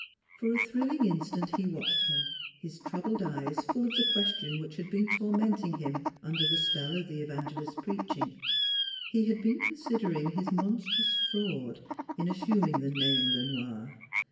For a thrilling instant he watched her, his troubled eyes full of the question which had been NEIGHBORS 261 tormenting him under the spell of the evan gelist's preaching. ... He had been consider ing his monstrous fraud in assuming the name Le Noir.